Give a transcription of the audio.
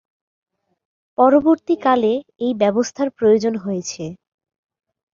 পরবর্তীকালে এই ব্যবস্থার প্রয়োজন হয়েছে।